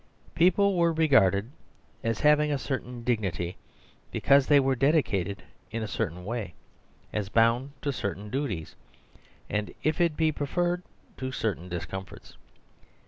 People were regarded as having a certain dig nity because they were dedicated in a certain way; as bound to certain duties and, if it be preferred, to certain discomforts.